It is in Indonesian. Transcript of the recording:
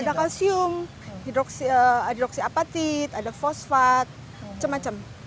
ada kalsium hidroksiapatit ada fosfat macam macam